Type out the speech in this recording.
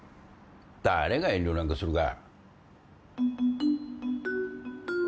誰が遠慮なんかするか。